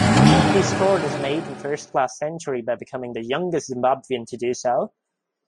He scored his maiden first-class century by becoming the youngest Zimbabwean to do so.